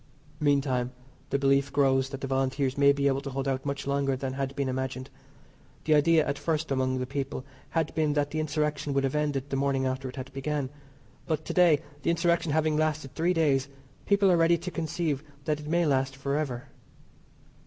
Meantime the belief grows that the Volunteers may be able to hold out much longer than had been imagined. The idea at first among the people had been that the insurrection would be ended the morning after it had began. But to day, the insurrection having lasted three days, people are ready to conceive that it may last for ever.